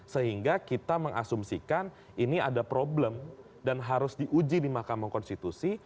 sehingga kita mengasumsikan ini ada problem dan harus diuji di mahkamah konstitusi